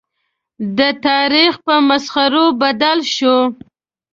د تاریخ په مسخرو بدل شول.